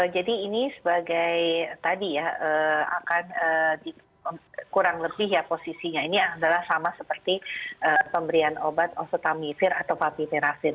jadi ini sebagai tadi ya kurang lebih posisinya ini adalah sama seperti pemberian obat osetamifir atau papipirafir